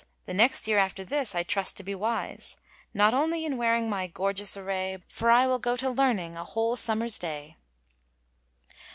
The next yere after this I trust to be wyse, Not only in wering my gorgions aray, For I wyl go to leamyng a hoole somen day.'